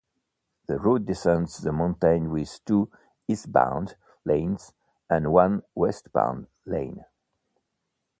The route descends the mountain with two eastbound lanes and one westbound lane.